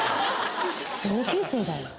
同級生だよ。